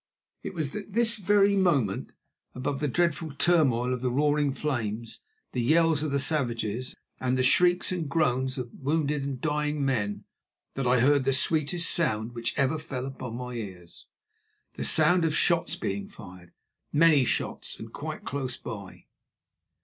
It was at this very moment, above the dreadful turmoil of the roaring flames, the yells of the savages and the shrieks and groans of wounded and dying men, that I heard the sweetest sound which ever fell upon my ears—the sound of shots being fired, many shots, and quite close by.